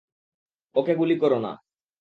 ওকে গুলি কোরো না!